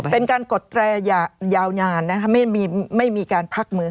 เป็นการกดแตรยาวนานนะคะไม่มีการพักมือ